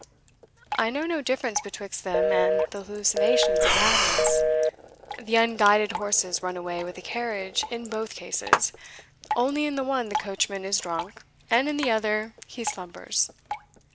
I know no difference betwixt them and the hallucinations of madness the unguided horses run away with the carriage in both cases, only in the one the coachman is drunk, and in the other he slumbers.